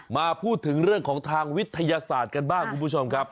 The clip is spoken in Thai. มาถึงเรื่องของทางวิทยาศาสตร์กันบ้างคุณผู้ชมครับ